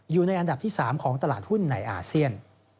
อยู่ในอันดับที่๓ของตลาดหุ้นในอาเซียน